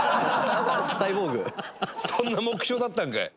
そんな目標だったんかい！